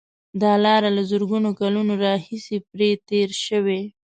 دا لاره له زرګونو کلونو راهیسې پرې تېر شوي.